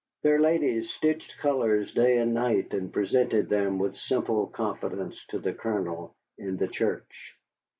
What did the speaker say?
Their ladies stitched colors day and night, and presented them with simple confidence to the Colonel in the church.